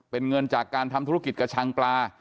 เป็นเงินจากการทำธุรกิจกระชังปลา